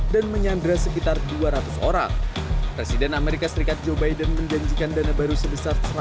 dan menyandra sekitar dua ratus orang presiden amerika serikat joe biden menjanjikan dana baru sebesar